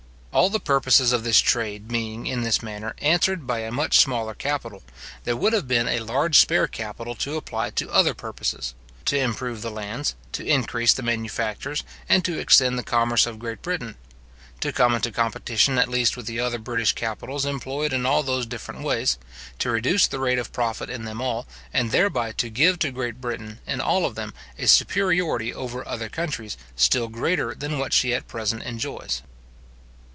All the purposes of this trade being, in this manner, answered by a much smaller capital, there would have been a large spare capital to apply to other purposes; to improve the lands, to increase the manufactures, and to extend the commerce of Great Britain; to come into competition at least with the other British capitals employed in all those different ways, to reduce the rate of profit in them all, and thereby to give to Great Britain, in all of them, a superiority over other countries, still greater than what she at present enjoys.